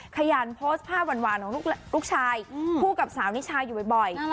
ขยันโพสต์ภาพหวานของลูกชายคู่กับสาวนิชาอยู่บ่อย